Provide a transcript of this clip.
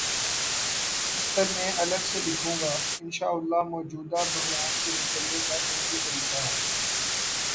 اس پرمیں الگ سے لکھوں گا، انشا اللہ مو جودہ بحران سے نکلنے کا ایک ہی طریقہ ہے۔